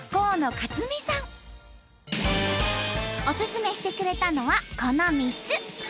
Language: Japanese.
おすすめしてくれたのはこの３つ。